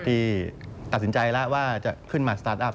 ที่ตัดสินใจแล้วว่าจะขึ้นมาสตาร์ทอัพ